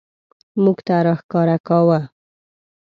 موږ ته راښکاره کاوه.